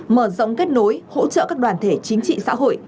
mở rộng kết nối hỗ trợ các đoàn thể chính trị xã hội